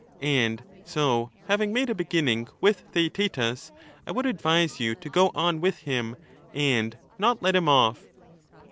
And so having made a beginning with Theaetetus, I would advise you to go on with him and not let him off.